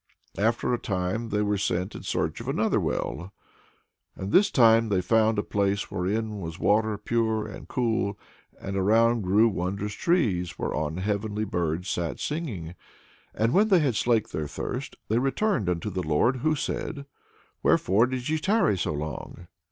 After a time they were sent in search of another well. And this time they found a place wherein was water pure and cool, and around grew wondrous trees, whereon heavenly birds sat singing. And when they had slaked their thirst, they returned unto the Lord, who said: "Wherefore did ye tarry so long?"